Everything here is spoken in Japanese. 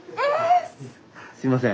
すいません。